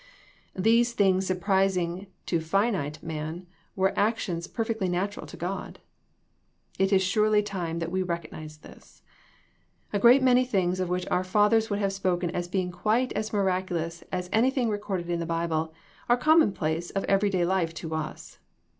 Those things surprising to finite men were actions perfectly natural to God. It is surely time that we recognize this. A great many things of which our fathers would have spoken as being quite as miraculous as anything recorded in the Bible, are commonplaces of every day life to us.